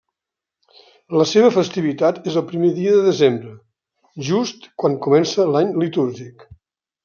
La seva festivitat és el primer dia de desembre, just quan comença l'any litúrgic.